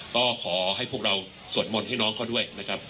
ก็ขอให้พวกเราสวดมนต์ให้น้องเขาด้วยนะครับ